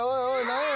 何や？